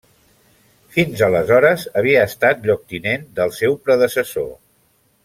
Fins aleshores havia estat lloctinent del seu predecessor.